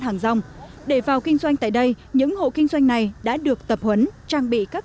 hàng rong để vào kinh doanh tại đây những hộ kinh doanh này đã được tập huấn trang bị các